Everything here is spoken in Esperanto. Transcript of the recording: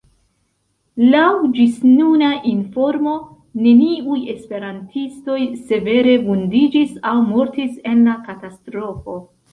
Laŭ ĝisnuna informo, neniuj esperantistoj severe vundiĝis aŭ mortis en la katastrofo.